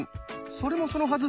それもそのはず。